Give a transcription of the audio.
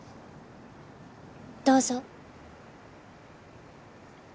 どうぞ。